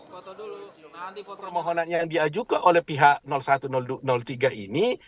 nanti permohonannya yang diajukan oleh pihak satu dan tiga ini